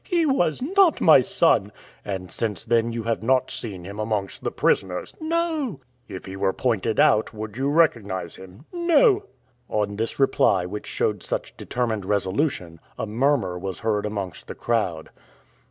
"He was not my son." "And since then you have not seen him amongst the prisoners?" "No." "If he were pointed out, would you recognize him?" "No." On this reply, which showed such determined resolution, a murmur was heard amongst the crowd.